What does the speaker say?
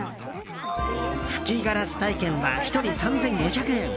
吹きガラス体験は１人、３５００円。